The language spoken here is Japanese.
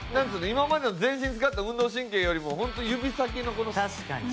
今までの全身使った運動神経よりもホントに指先のこの。